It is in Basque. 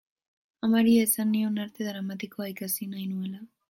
Amari esan nion Arte Dramatikoa ikasi nahi nuela.